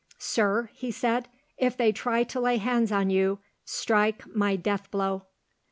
"Sir," he said, "if they try to lay hands on you, strike my death blow!"